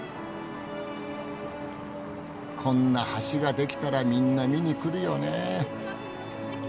こんな橋が出来たらみんな見に来るよねえ。